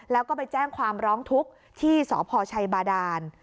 แล้วก็ไปแจ้งความร้องทุกข์ที่สพชัยบาดาน